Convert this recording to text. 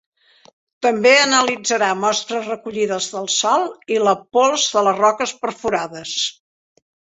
També analitzarà mostres recollides del sòl i la pols de les roques perforades.